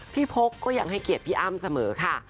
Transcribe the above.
พกก็ยังให้เกียรติพี่อ้ำเสมอค่ะ